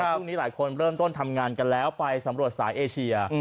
ละครู่นี้หลายคนเริ่มต้นทำงานไปสำรวจสายเอเชีย